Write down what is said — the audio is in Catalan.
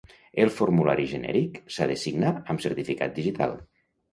El formulari genèric s'ha de signar amb certificat digital.